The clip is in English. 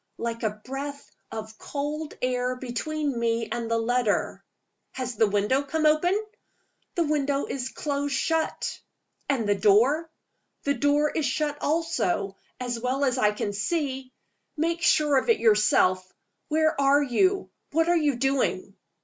"Like a breath of cold air between me and the letter." "Has the window come open?" "The window is close shut." "And the door?" "The door is shut also as well as I can see. Make sure of it for yourself. Where are you? What are you doing?"